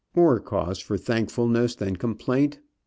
More cause for thankfulness than complaint!